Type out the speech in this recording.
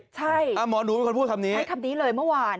ใช่ให้คำนี้เลยเมื่อวาน